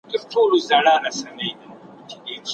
نرسې وویل چي ډاکټر د لوړ ږغ سره پاڼه ړنګوي.